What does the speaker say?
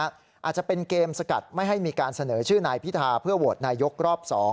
อาจจะเป็นเกมสกัดไม่ให้มีการเสนอชื่อนายพิธาเพื่อโหวตนายกรอบ๒